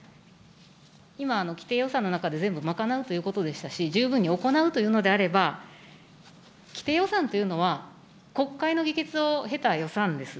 今、既定予算の中で全部賄うということでしたし、十分に行うというのであれば、既定予算というのは、国会の議決を経た予算です。